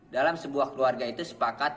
dalam sebuah keluarga itu sepakat